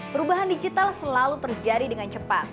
perubahan digital selalu terjadi dengan cepat